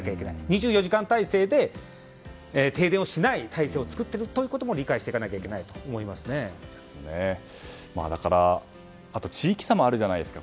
２４時間態勢で停電しない態勢を作っていることも理解していかなきゃいけないと地域差もあるじゃないですか。